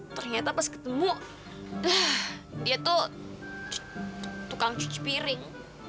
ternyata pas ketemu dah dia tuh tukang cuci piring